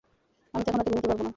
আমি তো এখন রাতে ঘুমুতে পারব না।